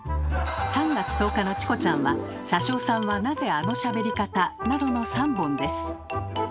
３月１０日の「チコちゃん」は「車掌さんはなぜあのしゃべり方？」などの３本です。